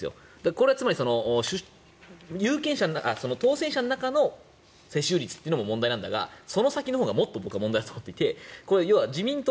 これはつまり、当選者の中の世襲率というのも問題なんだがその先のほうが僕はもっと問題だと思っていて要は自民党